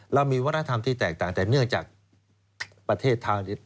เรามีวัฒนธรรมที่แตกต่างแต่เนื่องจากประเทศทาริส